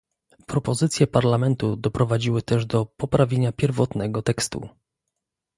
Propozycje Parlamentu doprowadziły też do poprawienia pierwotnego tekstu